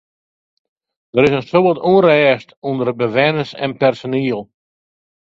Der is in soad ûnrêst ûnder bewenners en personiel.